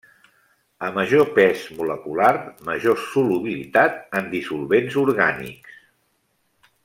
A major pes molecular, major solubilitat en dissolvents orgànics.